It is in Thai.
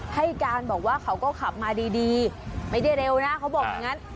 ให้การบอกว่าเขาก็ขับมาดีไม่ได้เร็วนะเขาบอกอย่างนั้น